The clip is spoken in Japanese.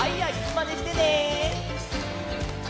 まねしてね！